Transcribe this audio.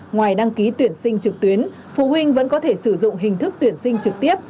ngoài đăng ký tuyển sinh trực tuyến phụ huynh vẫn có thể sử dụng hình thức tuyển sinh trực tiếp